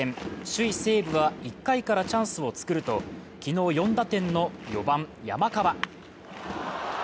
首位・西武は１回からチャンスを作ると、昨日４打点の４番・山川。